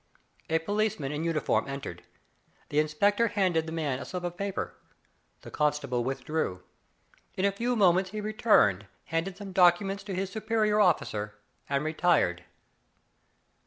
A policeman in uniform entered. The in spector handed the man a slip of paper. The constable withdrew. In a few moments he re turned, handed some documents to his superior officer, and retired.